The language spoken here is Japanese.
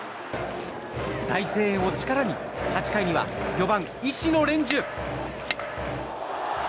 大声援を力に、８回には４番、石野蓮授。